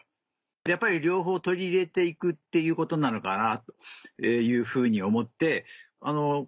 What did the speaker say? やっぱり両方取り入れて行くっていうことなのかなというふうに思って。